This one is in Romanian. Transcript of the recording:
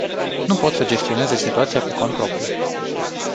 Nu pot să gestioneze situația pe cont propriu.